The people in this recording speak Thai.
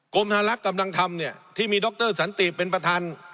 กรมธรรมกำลังทำที่มีดรสันติเป็นประธาน